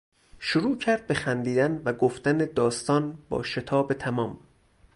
شروع کرد به خندیدن و گفتن داستان با شتاب تمام